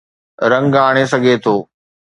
رنگ آڻي سگهي ٿو.